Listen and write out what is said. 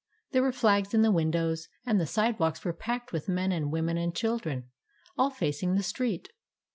There were flags in the windows, and the sidewalks were packed with men and women and children, all facing the street.